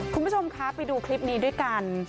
คุณผู้ชมคะไปดูคลิปนี้ด้วยกัน